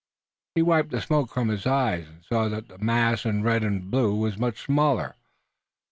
He wiped the smoke from his eyes, and saw that the mass in red and blue was much smaller.